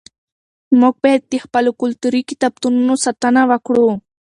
موږ باید د خپلو کلتوري کتابتونونو ساتنه وکړو.